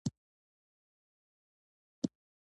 د سکرو سون ته د اکسیجن ته اړتیا وي.